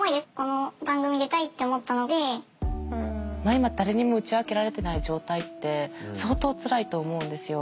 今誰にも打ち明けられてない状態って相当つらいと思うんですよ。